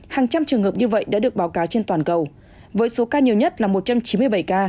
hàng trăm trường hợp như vậy đã được báo cáo trên toàn cầu với số ca nhiều nhất là một trăm chín mươi bảy ca